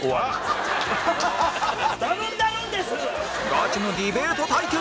ガチのディベート対決